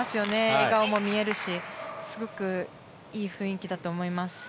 笑顔も見えるしすごくいい雰囲気だと思います。